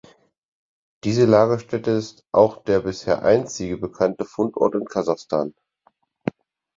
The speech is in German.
Diese Lagerstätte ist auch der bisher einzige bekannte Fundort in Kasachstan.